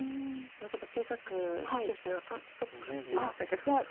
今ちょっと小さく謝七段「あっそっか」って言いましたけど。